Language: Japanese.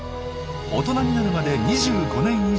大人になるまで２５年以上。